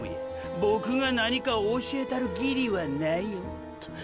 ボクが何かを教えたる義理はないよ。